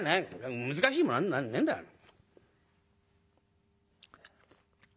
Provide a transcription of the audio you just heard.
難しいもなにもねえんだから」。